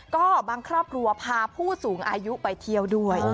ก็บางครอบครัวพาผู้สูงอายุไปเที่ยวด้วย